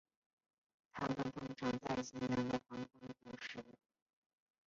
它们通常在清凉的黄昏捕食。